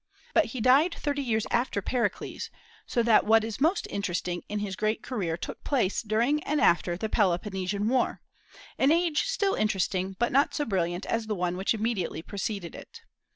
But he died thirty years after Pericles; so that what is most interesting in his great career took place during and after the Peloponnesian war, an age still interesting, but not so brilliant as the one which immediately preceded it.